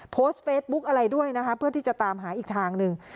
โพสต์เฟซบุ๊กอะไรด้วยนะคะเพื่อที่จะตามหาอีกทางหนึ่ง